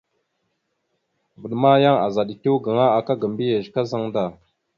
Vvaɗ ma yan azaɗ etew gaŋa aka ga mbiyez kazaŋ da.